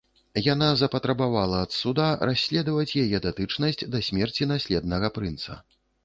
Яна запатрабавала ад суда расследаваць яе датычнасць да смерці наследнага прынца.